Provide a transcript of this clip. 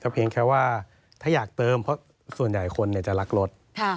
เพียงแค่ว่าถ้าอยากเติมเพราะส่วนใหญ่คนจะรักรถ